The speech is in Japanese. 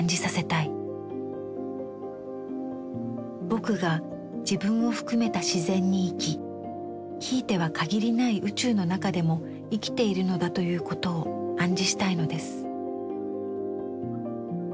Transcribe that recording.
「『ぼく』が自分を含めた自然に生きひいては限りない宇宙の中でも生きているのだということを暗示したいのです」。